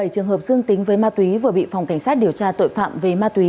bảy trường hợp dương tính với ma túy vừa bị phòng cảnh sát điều tra tội phạm về ma túy